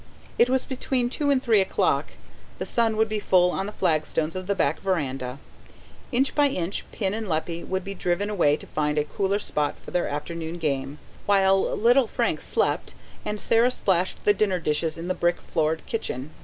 It was between two and three o'clock: the sun would be full on the flagstones of the back verandah; inch by inch Pin and Leppie would be driven away to find a cooler spot for their afternoon game, while little Frank slept, and Sarah splashed the dinner dishes in the brick floored kitchen.